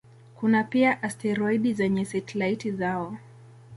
Kuna pia asteroidi zenye satelaiti zao.